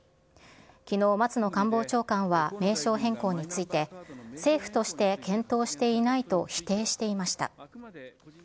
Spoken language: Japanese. きのう、松野官房長官は名称変更について、政府として検討していないと否定していました。